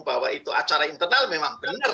bahwa itu acara internal memang benar